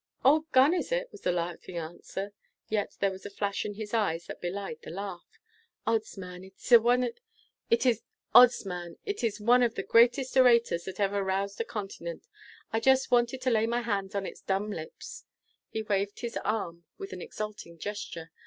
"Old gun, is it?" was the laughing answer, yet there was a flash in his eyes that belied the laugh. "Odds, man! it is one of the greatest orators that ever roused a continent. I just wanted to lay my hands on its dumb lips." He waved his arm with an exulting gesture.